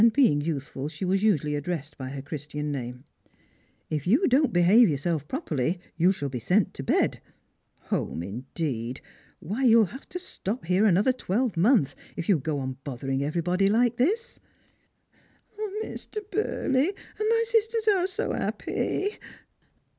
being youthful she was usuiilly addressed by her Christian name —" if you don't behave yourself properly, you shall be sent to bed. Home indeed; why, you'll have to stop here another twelvemonth if you go on bothering everybody like this,' 876 Sfrnhj&rs and Pilfjrims. " 0, Mr. Burley ! And my sisters are so 'appy.